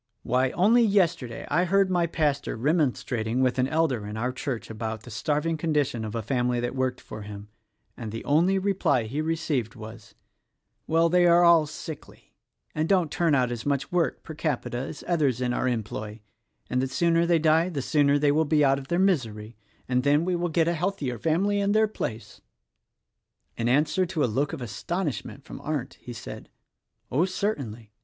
why, only yesterday I heard my pastor remonstrating with an elder in our church about the starving condition of a family that worked for him; and the only reply he received was: 'Well, they are all sickly and don't turn out as much work per capita as others in our employ, — and the sooner they die the sooner they will be out of their misery; and then we will get a healthier family in their place!'" In answer to a look of astonishment from Arndt he said, "Oh, certainly!